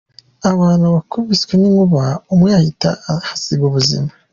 Abantu bakubiswe n’inkuba umwe ahita ahasiga ubuzima